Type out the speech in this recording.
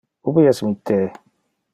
Ubi es mi the?